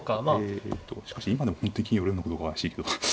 えとしかし今でも本当に金寄れんのかどうかは怪しいけど。